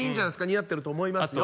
似合ってると思いますよ